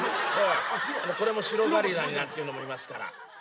これも白ザリガニなんていうのもいますから。